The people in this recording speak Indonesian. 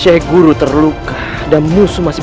cek guru terluka dan musuh masih